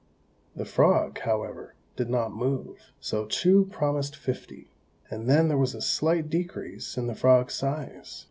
The frog, however, did not move, so Chou promised fifty, and then there was a slight decrease in the frog's size.